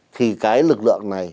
thì cái lực lượng này